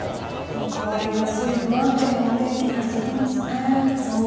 変わりやすい不安定なお天気が続きますね。